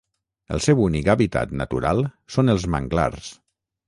El seu únic hàbitat natural són els manglars.